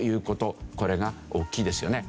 これが大きいですよね。